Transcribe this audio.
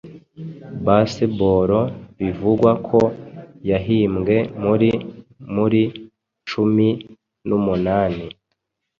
Baseball bivugwa ko yahimbwe muri muri cumi numunani.